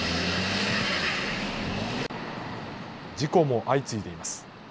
事故も相次いでいます。